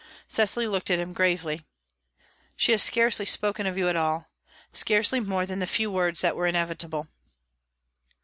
Cecily looked at him gravely. "She has scarcely spoken of you at all scarcely more than the few words that were inevitable."